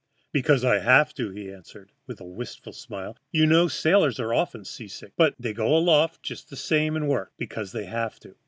"Because I have to," he answered, with a wistful smile. "You know sailors are often seasick, but they go aloft just the same and work because they have to.